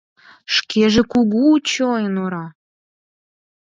Шкеже кугу чойн ора!